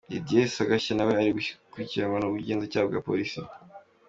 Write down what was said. Didier Sagashya na we ari gukurikiranwa n’ubugenzacyaha bwa Polisi.